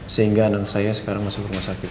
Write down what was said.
sehingga anak saya sekarang masuk rumah sakit